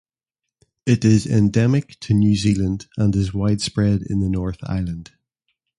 It is endemic to New Zealand and is widespread in the North Island.